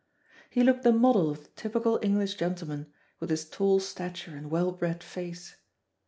He looked the model of the typical English gentleman, with his tall stature and well bred face.